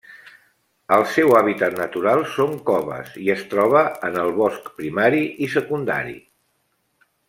El seu hàbitat natural són coves i es troba en el bosc primari i secundari.